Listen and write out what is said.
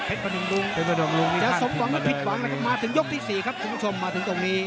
พนุงจะสมหวังและผิดหวังนะครับมาถึงยกที่๔ครับคุณผู้ชมมาถึงตรงนี้